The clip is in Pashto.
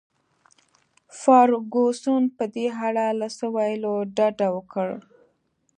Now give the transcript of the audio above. فرګوسن په دې اړه له څه ویلو ډډه وکړل.